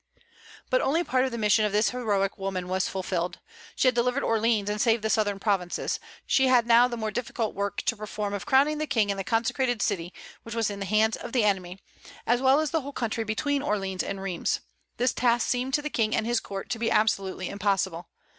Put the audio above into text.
But only part of the mission of this heroic woman was fulfilled. She had delivered Orleans and saved the southern provinces. She had now the more difficult work to perform of crowning the King in the consecrated city, which was in the hands of the enemy, as well as the whole country between Orleans and Rheims. This task seemed to the King and his court to be absolutely impossible.